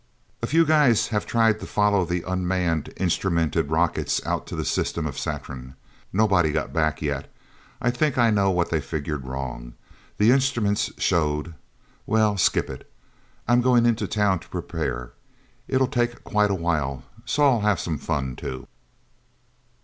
A few guys have tried to follow the unmanned, instrumented rockets, out to the system of Saturn. Nobody got back, yet. I think I know what they figured wrong. The instruments showed well, skip it... I'm going into Town to prepare. It'll take quite a while, so I'll have some fun, too."